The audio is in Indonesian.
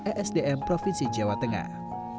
esdm provinsi jawa tengah